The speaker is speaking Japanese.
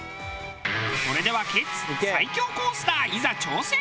それではケツ最強コースターいざ挑戦。